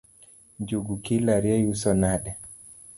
Njugu kilo ariyo iuso nade?